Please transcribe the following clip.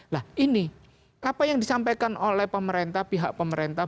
nah ini apa yang disampaikan oleh pemerintah pihak pemerintah